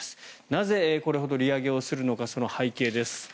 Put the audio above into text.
なぜこれほど利上げをするのかその背景です。